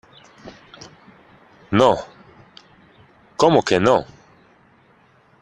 no. ¿ como que no?